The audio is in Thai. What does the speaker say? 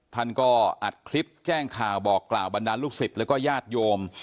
ท่านก็อัดคลิปแจ้งข่าวบอกกล่าวบรรดาลูกศิษย์แล้วก็ญาติโยม